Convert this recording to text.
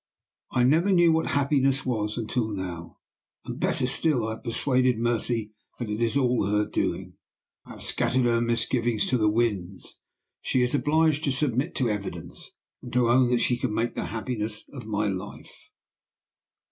I never knew what happiness was until now. And better still, I have persuaded Mercy that it is all her doing. I have scattered her misgivings to the winds; she is obliged to submit to evidence, and to own that she can make the happiness of my life.